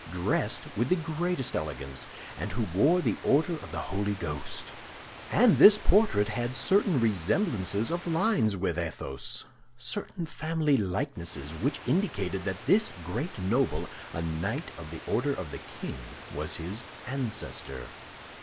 dressed with the greatest elegance, and who wore the Order of the Holy Ghost; and this portrait had certain resemblances of lines with Athos, certain family likenesses which indicated that this great noble, a knight of the Order of the King, was his ancestor.